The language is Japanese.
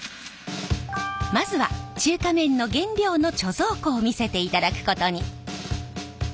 まずは中華麺の原料の貯蔵庫を見せていただくことに。